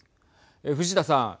藤田さん。